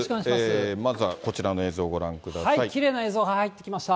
まずはこちらの映像ご覧くだきれいな映像が入ってきました。